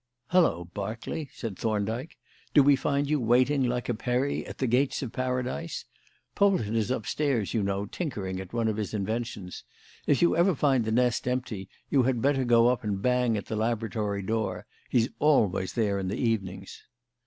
"Hallo, Berkeley!" said Thorndyke, "do we find you waiting like a Peri at the gates of Paradise? Polton is upstairs, you know, tinkering at one of his inventions. If you ever find the nest empty, you had better go up and bang at the laboratory door. He's always there in the evenings."